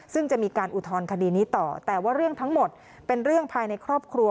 ซึ่งจะมีการอุทธรณคดีนี้ต่อแต่ว่าเรื่องทั้งหมดเป็นเรื่องภายในครอบครัว